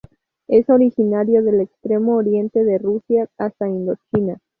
Es originario del extremo oriente de Rusia hasta Indochina.